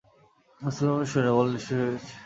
মুসলমানদের সৈন্য-বল নিঃশেষ হয়ে গেছে।